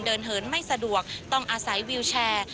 เหินไม่สะดวกต้องอาศัยวิวแชร์